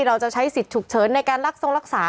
เราจะใช้สิทธิ์ฉุกเฉินในการรักทรงรักษา